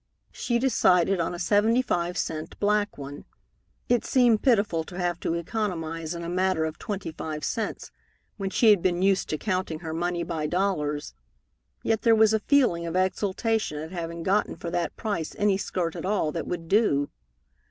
She decided on a seventy five cent black one. It seemed pitiful to have to economize in a matter of twenty five cents, when she had been used to counting her money by dollars, yet there was a feeling of exultation at having gotten for that price any skirt at all that would do.